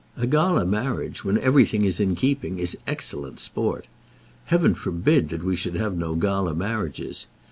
A gala marriage, when everything is in keeping, is excellent sport. Heaven forbid that we should have no gala marriages.